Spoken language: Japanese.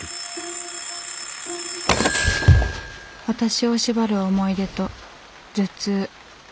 私を縛る思い出と頭痛。